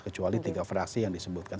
kecuali tiga fraksi yang disebutkan